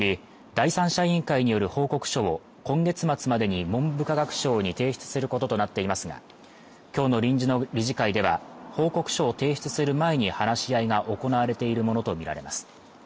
第三者委員会による報告書を今月末までに文部科学省に提出することとなっていますがきょうの臨時の理事会では報告書を提出する前に話し合いが行われているものと見られます